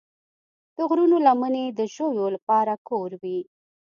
د غرونو لمنې د ژویو لپاره کور وي.